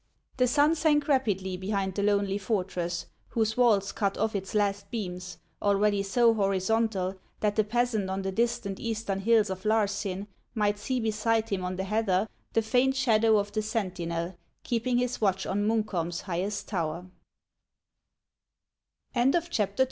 The sun sank rapidly behind the lonely fortress, whose walls cut off its last beams, already so horizontal that the peasant on the distant eastern hills of Larsynn might see beside him on the heather the faint shadow of the sentinel keep ing his watch on Munkholm'